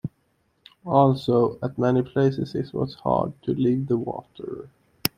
Also, at many places it was hard to leave the water.